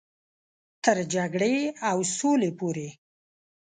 تر جګړې او سولې پورې.